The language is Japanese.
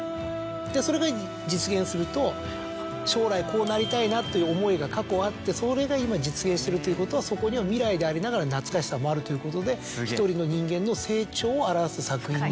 それが実現すると将来こうなりたいなという思いが過去あってそれが今実現してるということはそこには未来でありながら懐かしさもあるということで１人の人間の成長を表す作品に。